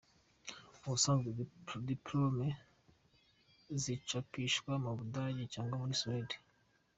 Ubusanzwe diplôme zicapishwa mu Budage cyangwa muri Suède.